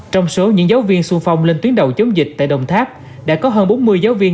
trong số những giáo viên xuân phong lên tuyến đầu chống dịch tại đồng tháp đã có hơn bốn mươi giáo viên